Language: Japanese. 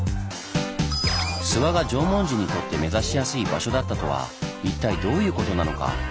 諏訪が縄文人にとって目指しやすい場所だったとは一体どういうことなのか？